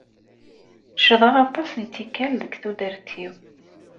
Ccḍeɣ aṭas n tikkal deg tudert-iw.